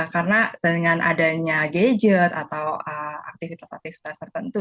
karena dengan adanya gadget atau aktivitas aktivitas tertentu